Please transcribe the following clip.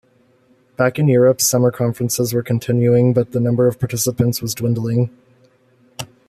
Back in Europe, summer conferences were continuing but the number of participants was dwindling.